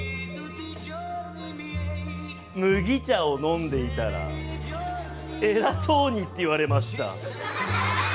麦茶を飲んでいたら「偉そうに」って言われました。